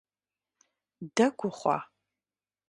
Дэгу ухъуа?